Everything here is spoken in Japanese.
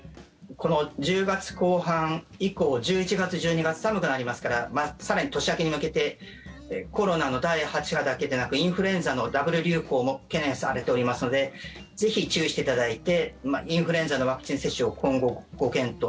この１０月後半以降１１月、１２月寒くなりますから更に年明けに向けてコロナの第８波だけでなくインフルエンザのダブル流行も懸念されておりますのでぜひ注意していただいてインフルエンザのワクチン接種を今後ご検討